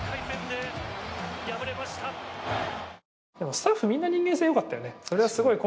スタッフみんな人間性よかったよね。